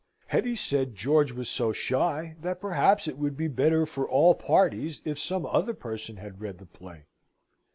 Hetty said George was so shy, that perhaps it would be better for all parties if some other person had read the play.